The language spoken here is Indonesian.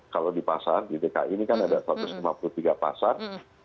kalau di pasar di dki ini kan ada satu ratus lima puluh tiga pasar